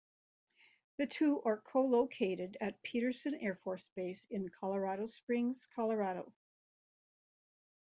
The two are co-located at Peterson Air Force Base in Colorado Springs, Colorado.